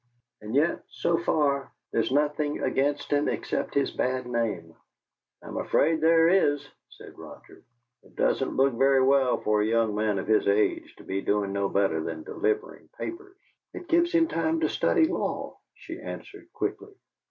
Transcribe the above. And yet, so far, there's nothing against him except his bad name." "I'm afraid there is," said Roger. "It doesn't look very well for a young man of his age to be doing no better than delivering papers." "It gives him time to study law," she answered, quickly.